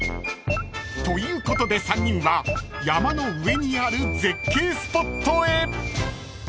［ということで３人は山の上にある絶景スポットへ］